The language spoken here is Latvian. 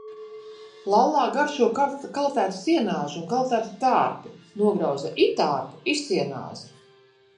Lallā garšo kaltēti sienāži un kaltēti tārpi, nograuza i tārpu, i sienāzi.